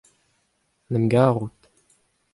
en em garout.